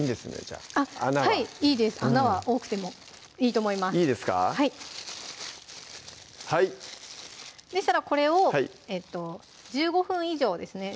じゃあはいいいです穴は多くてもいいと思いますいいですかでしたらこれを１５分以上ですね